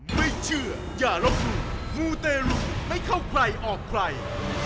ไม่เชื่ออย่าลบหลู่มูเตรุไม่เข้าใครออกใคร